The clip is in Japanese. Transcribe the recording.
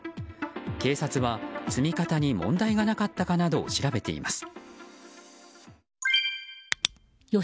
警察は積み方に問題がなかったかなどを調べています。